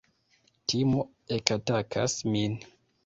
Timo ekatakas min.